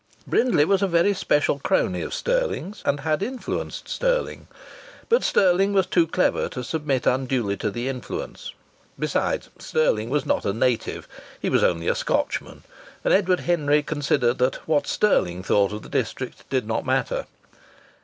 Brindley was a very special crony of Stirling's, and had influenced Stirling. But Stirling was too clever to submit unduly to the influence. Besides, Stirling was not a native; he was only a Scotchman, and Edward Henry considered that what Stirling thought of the district did not matter.